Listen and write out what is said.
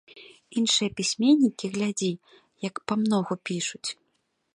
Іншыя пісьменнікі, глядзі, як памногу пішуць.